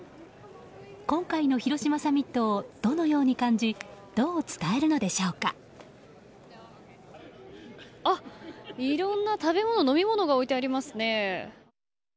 今回の広島サミットをどのように感じいろんな食べ物、飲み物が置いてありますね。